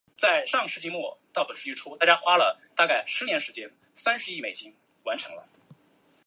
辖区内内有许多马牧场。